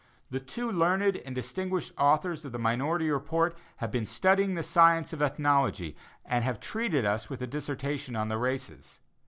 The two learned and distinguished authors of the minority report have been studying the science of ethnology and have treated us with a dissertation on the races.